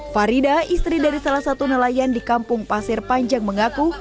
farida istri dari salah satu nelayan di kampung pasir panjang mengaku